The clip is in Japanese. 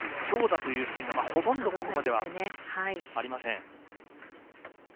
強打というシーンがほとんどここまではありません。